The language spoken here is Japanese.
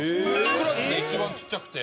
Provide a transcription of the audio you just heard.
クラスで一番ちっちゃくて。